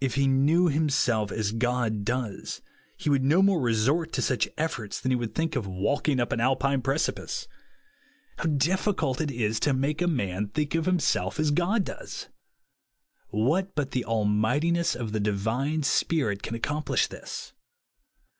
If he knew himself as God does, he would no more resort to such efforts than he would OUR ItESTING PLACE. 3^ think of walking up an Alpine precipice. How difficult it is to make a man think of himself as God does ! What but the almightiness of the Divine Spirit can ac complish this